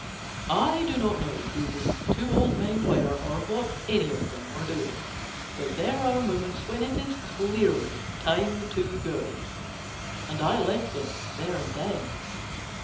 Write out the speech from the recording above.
I do not know who the two old men were or what any of them were doing, but there are moments when it is clearly time to go, and I left them there and then.